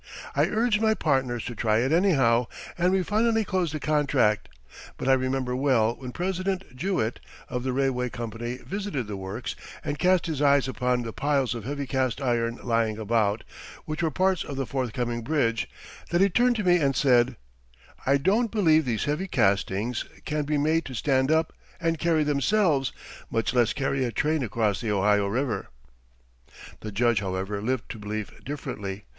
I urged my partners to try it anyhow, and we finally closed a contract, but I remember well when President Jewett of the railway company visited the works and cast his eyes upon the piles of heavy cast iron lying about, which were parts of the forthcoming bridge, that he turned to me and said: "I don't believe these heavy castings can be made to stand up and carry themselves, much less carry a train across the Ohio River." [Footnote 25: Thomas L. Jewett, President of the Panhandle.] The Judge, however, lived to believe differently.